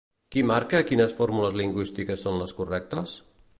Qui marca quines fórmules lingüístiques són les correctes?